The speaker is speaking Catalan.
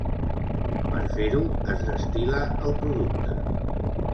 Per fer-ho es destil·la el producte.